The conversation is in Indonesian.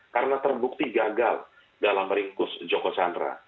karena terbukti gagal dalam ringkus joko chandra